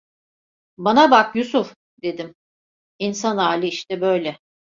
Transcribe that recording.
Bana bak Yusuf, dedim, insan hali işte böyle.